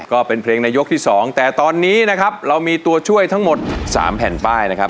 ก็เป็นเพลงในยกที่๒แต่ตอนนี้นะครับเรามีตัวช่วยทั้งหมด๓แผ่นป้ายนะครับ